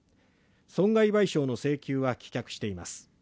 損害賠償の請求は棄却しています。